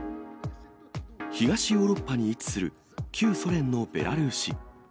東ヨーロッパに位置する旧ソ連のベラルーシ。